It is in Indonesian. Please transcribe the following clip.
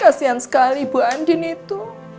kasihan sekali ibu andien itu